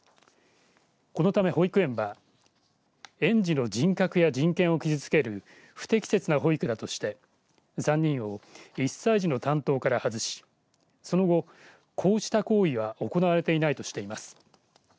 このため保育園は園児の人格や人権を傷つける不適切な保育だとして３人を１歳児の担当から外しその後、こうした行為は行われていないとしています。